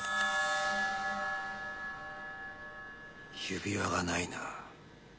指輪がないな。